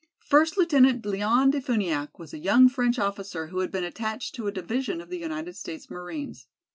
First Lieutenant Leon De Funiak was a young French officer who had been attached to a division of the United States Marines.